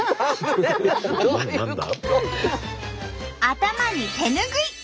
頭に手拭い！